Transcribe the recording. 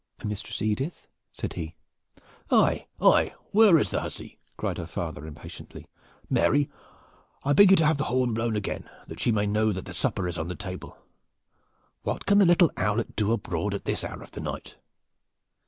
"Mistress Edith?" said he. "Aye, aye, where is the hussy?" cried her father impatiently. "Mary, I beg you to have the horn blown again, that she may know that the supper is on the table. What can the little owlet do abroad at this hour of the night?"